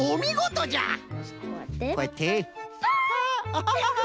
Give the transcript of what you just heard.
アハハハハ！